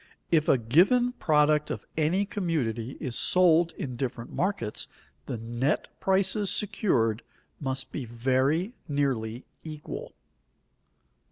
If a given product of any community is sold in different markets, the net prices secured must be very nearly equal.